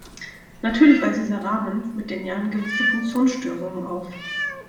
Natürlich weist dieser Rahmen mit den Jahren gewisse Funktionsstörungen auf.